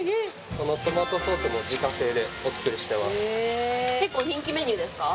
このトマトソースも自家製でお作りしてますえっ